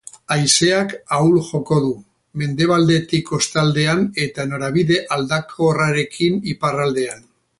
Haizeak ahul joko du, mendebaldetik kostaldean eta norabide aldakorrarekin iparraldean.